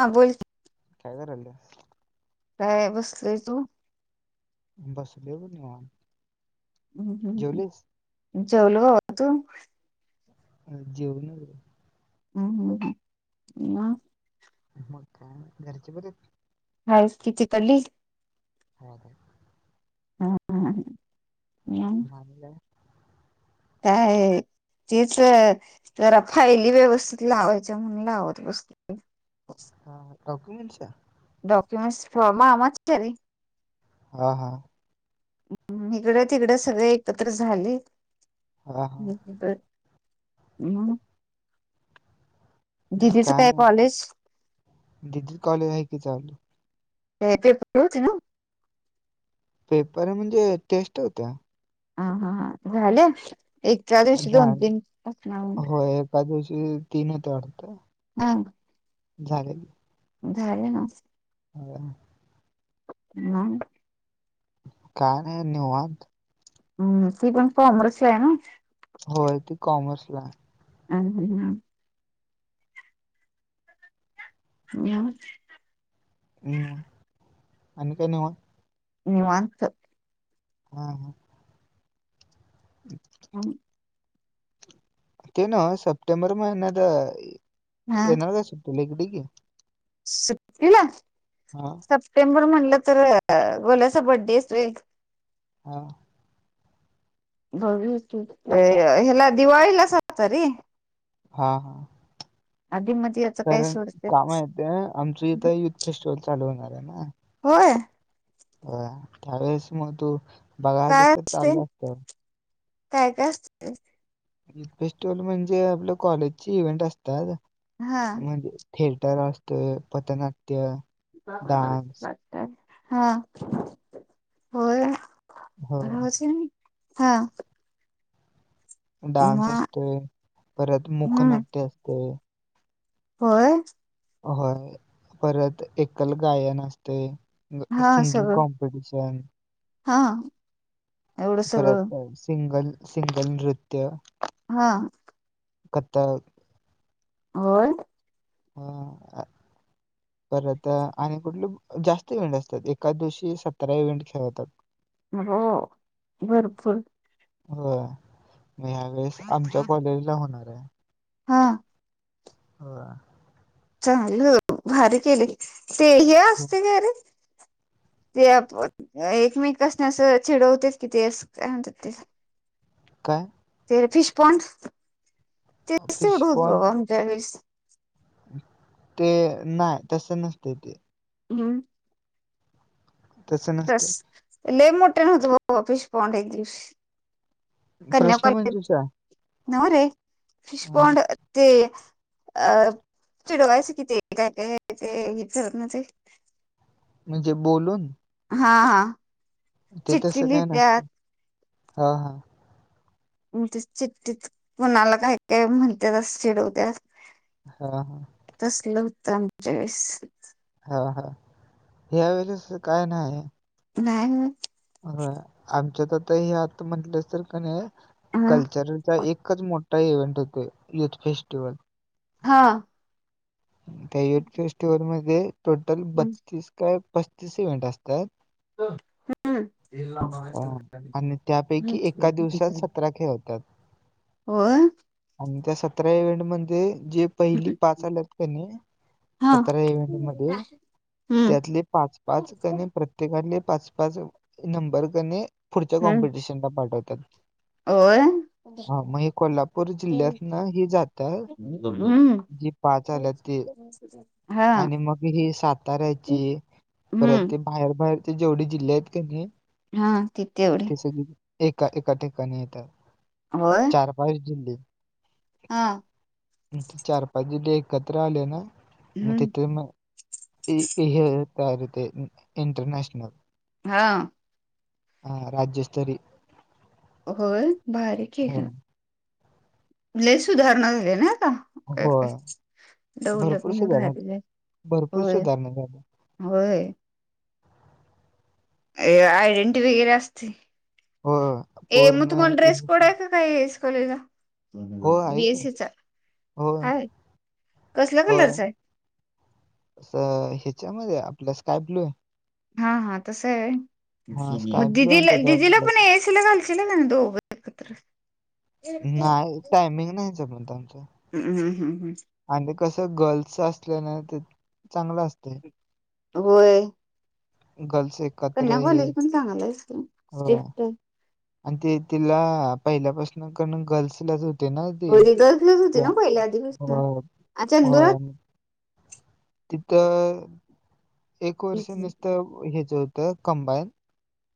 हां बोल. काय कराल्यास. काय बसलोय तू. बसलोय बघ निवांत. हम जेवलीस? हम, जेवलो बाबा तू. जेवून चं बघं. हम हम हम मग. मग काय, घरचे बरेत. हायच की तिकडली. [unintelligible] हा हा. मग आणि काय. काय तेच, जरा फायली व्यवस्थित लावायच्या म्हणून लावत बसलो. हा, डॉक्युमेंट च्या. डॉक्युमेंटस फॉर्म, मामाच्या रे. हा हा. ह, हिकडं तिकडं सगळे एकत्र झाले. हा हा मं. काय नाही बघ, दिदिच कॉलेज आहे की चालु. ते पेपर होते नवं. पेपर म्हणजे, टेस्ट होत्या. हा हा हा, झाल्या एका दिवशी दोन तीन असणार. त्या दिवशी तीन होत्या वाटतं. आ. झाल्या की. झाल्या नवं. [unintelligible] नाय. काय नाही निवांत. हम्म, ती पण कॉमर्स ची आहे नवं. होय ती कॉमर्सलाय. [unintelligible] [unintelligible] हम आणी काय नीवांत् निवांत. हा हा. [unintelligible] हम. ते नं सप्टेंबर महिन्यातं हा येणार असतील इकडं की. सुट्टीला. हा. सप्टेंबर म्हणलं तर गोल्याचा बड्डे येस्तोय. हा. [unintelligible] ह्याला दिवाळीलाच आल्तारे. हा हा. आदी म त्यात. कारण कामं येतं आमचइथं युथ फेस्टिवल चालू होणाराय ना. होय. हां त्यावेस मंग तू बघालीस काय तर असते, चाललं असतं काय काय असते त्यात. युथ फेस्टिवल म्हणजे आपलं कॉलेजची इव्हेंट असतात, हा म्हणजे थिएटर असतोय पथनाट्यं हा होय. हो [unintelligible] हा. डान्स म असतोय, परत हम्म मुखनाट्य असते. होय. होय परत एकल गायन असते. हा सिंगिंग सगळं कॉम्पिटिशन. हा एवढं सगळं परत सिंगल, सिंगल नृत्य. हा. कत्तक. होय. हां अ. परत आणि कुठले जास्त इव्हेंट असत्यात, एकाच दिवशी सतरा इव्हेंट खेळतात. हो भरपूर. हो म ह्या वेळेस आमच्या कॉलेजला होणाराय. हा. हो चालहो भारी केले ते हे मग असते कायरे ते आप व एकमेकासनी असं चिडवत्यात कि ते असं काय म्हणत्यात तेला. काय? ते फिशपॉंड ते फिश [unintelligible] पण बाबा आमच्या वळेस. ते नाय तसं नसतंय ते. हम्म. तसं तस नसते लय मोठ्यानं होतं बाबा फिशपॉंड एक दिवस् कन्या प्रश्न कॉलेज, मंजुषा हो रे हा फिषपाॅंड ते अ चिडवायचं कि ते काय काय [unintelligible] ते. म्हणजे बोलून. हा हा. ते तसं चिठ्ठी काय लिहित्यात नसतं, हा हा. म्हग चिट्टीत, कूणाला काय काय म्हणत्यात असं चिडवत्या हा हा. तसलं हुतं आमच्या वेळेस. हा हा, या वेळेस काय नाई. नाय वय. होय, आमच्यात आता हे आता म्हंटलस तर क नाही, हा कल्चरल चा एकच मोठा इव्हेंट होतोय, युथ फेस्टिवल. हां. त्या युथ फेस्टिवल मध्ये, टोटल काय बस्तीस काय पस्तीस इव्हेंट असत्यात ह हम्म. हे लावा अ, आणि त्यापैकी एका दिवसात सतरा खेळ होत्यात. होय. आणि त्या सतरा इव्हेंट मध्ये, जे पहिली पाच आल्यात क नाही, हा सतरा इव्हेंट मध्ये हम्म त्यातले पाच पाच क नी प्रत्ये प्रत्येकानि पाच पाच नंबर क णी, पुढच्या हम्म कॉम्पिटिशनला पाठवत्यात. होय. हा, मग हे कोल्हापूर हम्म जिल्ह्यातनं हि जात्यात, जी पाच आल्यात ते, हा आणि मग ही साताऱ्याची हम्म. बाहेर बाहेर चे जेवढे जिल्हे हायत क नी हा, ते तेव्ह सगळी, एका एका ठिकाणी येत्यात. होय. चार पाच जिल्हे हां. म ते चार पाच जिल्हे एकत्र आले ना, मग हम्म तिथे मग इ हे तयार हुतय, इंटरनॅशनल. हां. हा राज्यस्तरी होय, भारी हो केलं. लय सुधारणा झाल्या नाय आता. काय हो काय, दौलत भरपूर न बाहेर सुधारणा दिलय, भरपूर होय. सुधारणा झाल्या होय. ए आयडेंटि वगैरे असती, हो ए मग पूर्ण तुम्हाला ड्रेस कोड युनिफॉर्म आहे का काय एस कॉलेज ला? हो आहे की बीएससीचा, हो हाय,, कसल्या कलरचा हाय? असं ह्याच्यामध्ये आय, आपलं स्काय ब्लू हाय. हा हा तसं हाय हा व्हय, स्काय मग ब्लू आणि दिदीला त्याच्या दिदीला पण ए येस तिला घालशीला का नाही दोघ एकत्र नाय ओ, टायमिंग नाही जमत आमचं. हम्म हम्म हम्म. आणि कसं गर्ल्सच असलना ते, चांगलं असतय. होय. गल्स एक कन्या कॉलेज पण चांगल आहेच की हो स्ट्रिक्ट आहं. आणि ते तिला पहिल्यापासन कण गर्ल्सलाच होती. ते नाही ते होय रिगर्सलाच होती हो ना पहिल्या आधीपासून आ चंदुरात होय. तिथं एक वर्ष नुसतं हेच होतं कंबाईन,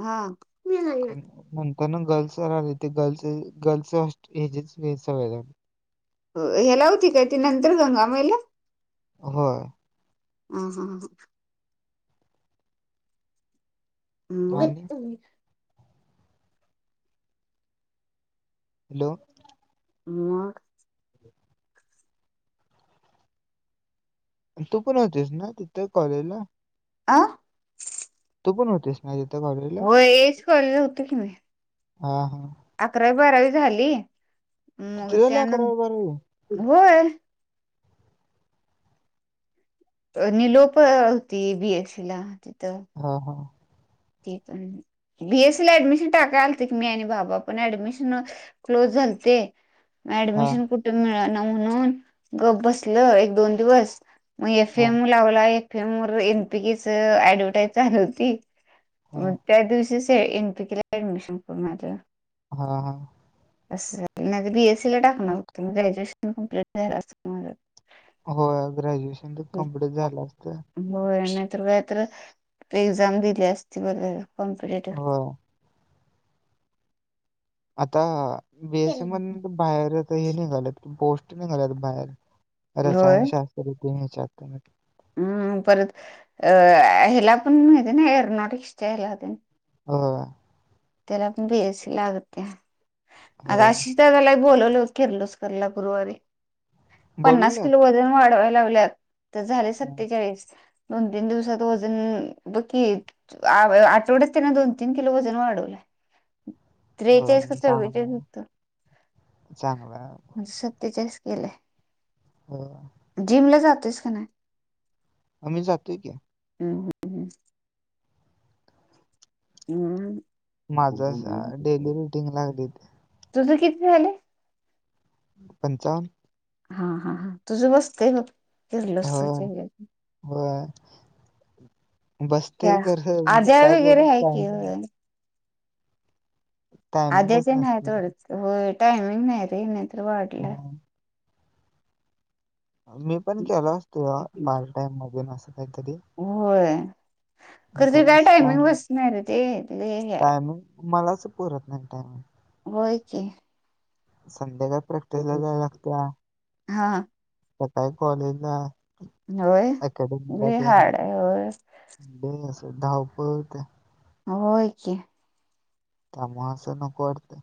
हा. नंतर न गर्ल्स राहिले ते गर्ल्स गर्ल्स हो हेजिस व सवय लागली. हो हेला होती काय ती नंतर गंगा मएला? होय. ह् हम हम आणि हम् [inaudible] हॅलो मग? [unintelligible] तू पण होतीस ना तिथं कॉलेजला? आं तू पण होतीस ना तिथं कॉलेजला? एज कॉलेजला होतो की मी. हा हा अकरावी बारावी झाली. मग तिथे झाली त्यानंतर अकरावी बारावी? होय. प निलोप होती तिथं बीएससी ला तिथं. हा हा ती पण, बीएससी ला ऍडमिशन टाकाय आलतो की मी आणि बाबा पण ऍडमिशन क्लोज झालते. म हां, ऍडमिशन कुठं मिळना म्हणून गप बसलं एक दोन दिवस, मग एफ हां, एम लावला एफ एम वर एनपीकीचं ऍडव्हर्टाईज चालु होती. म हां. त्या दिवशीच एनपीकीला ऍडमिशन करून आलं. हा हा असं नाहीतर बीएसीला टाकणार होतो मी ग्रॅज्युएशन कंप्लीट झालं असतं माझं. होय ग्रॅज्युएशन तर कमप्लीट झालं असत. होय नाहीतर काय तर एक्झाम दिली असती बरं झालं कॉम्पिटेटिव्ह, होय. आता बीएससी मधनं तूम बाहेर आता हे निघाल्यात की निघाल्यात होय रसायनशास्त तरी तीन हेच्या. [inaudible] हम्म परत अ ह्याला पण माहिती हे ना एरोनॉटिक्सच्या हेला तेण? होय. त्याला पण बीएससी लागतीया आग होय. अशी, त्या त्याला बोलवल किरलोसकरला गुरुवारी पन्नास बोलवल्यात? किलो वजन वाढवाय लावल्यात झालेय हं. सतेचाळीस, दोन तीन दिवसात वजन बघकी आठवड्यात त्यांने दोन तीन किलो वजन वाढवलं. होय, त्रेचाळीस का मग चांगलं चव्वेचाळीस आहे, हूतं चांगलं आहे. म सत्तेचाळीस केलंय. हो. जिम ला जातोस का नाय. आम्ही जातोय की, हम हम [inaudible] हम्म हम्म [inaudible] माझ डेली रुटीन ला [unintelligible] तुझ कि ती झाले. पंचावन. हा हा हा तुझं बसतंय बघ किर्लोस्कर च्या हेज्यात. हो त्या बसतोय खरं मग आद्या काय करू वगैरे आहे की काम टायमिंगच आध्याच नाही नसते. थोडंच हो टायमिंग नाही रे नाही तर वाढला. हां. मी पण केल असतो, पार्ट टाइम मधून असं काहीतरी होय खरं ते काय खरंच टायमिंग टाईम बसत नाय गं ते, हे होतय. टायमिंग मलाच पुरत नाय टाइमिंग. व्हय की. संध्याकाळच. हा सकाळी कॉलेज ला होय अकॅडमी लय मध्ये, हार्ड आहे होय हो असं धावपळ होय की, त्यामुळे असं नको वाटतंय.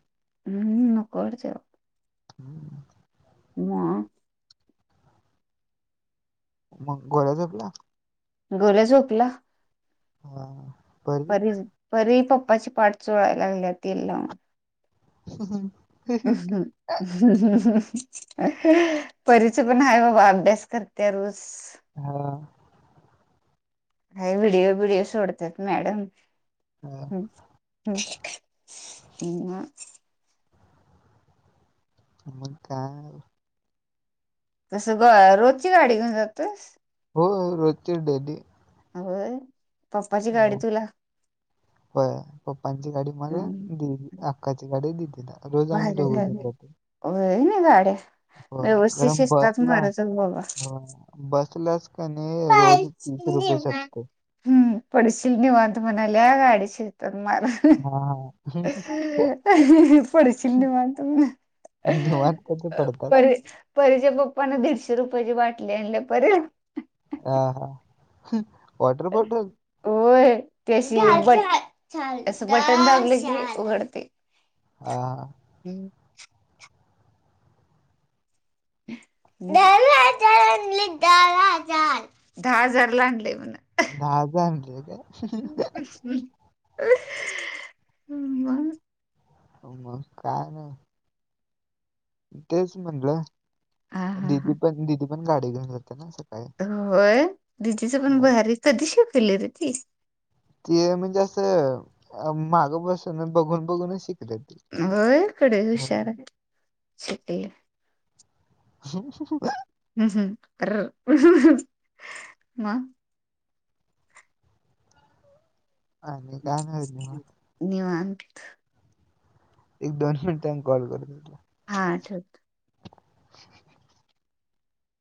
हम्म नको वाटतंय. हम्म वा [unintelligible] मग गोळ्या [unintelligible] गोल्या झोपला. हा आं परी, परी पप्पा ची पाठ चोळायला लागल्या तेल लावून. ह हं ह हम परीच पण हाय बाबा, अभ्यास करत्या रोज. हा का हाय व्हिडिओ बिडिओ सोडत्यात मॅडम. हा ह [unintelligible] मग काय तर. कसं अ रोजची गाडी घेऊन जातोस? हो रोजची डेली. अव पप्पाची गाडी तुला हो पप्पांची गाडी मला. अक्काची गाडी दीदीला. भारी झालंय होय ना गाड्या होय व्यवस्थित कारण शिस्तात बसला माराज बसलाच कणाय नाही रोज तीस रुपये साठी. हुं पडशील निवांत म्हणाल्या गाडी शिस्तात मार. हा पडशील निवांत म्हण. निवांत कधी पडतात परेच्या पप्पाना दीडशे रुपयाची बाटली आणल्या परे हा हा. हम्म. होय त्याशी हा बट. [unintelligible] असं बटन दाबले की उघडते. आं हम्म. दहा हजारला आणलंय म्हणे. दहा हजार आणले काय? [unintelligible] म. मग काय नाय. तेच म्हणलंय हा हा हा दीदी पण दिदी पण गाडी घेऊन जाते ना स वय दीदीचं पण भारी कधी शिकली रे ती. तिय म्हणजे असं अ मागं बसून बघून बघून शिकलं ती. होय कडे हुशार आहे सिटीले. [unintelligible] हम्म हम्म [unintelligible] म. आणि काय नाही मग. निवांत एक दोन मिंट्याने कॉल करतो तुला. हा ठेवतो.